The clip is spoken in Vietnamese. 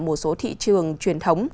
một số thị trường truyền thống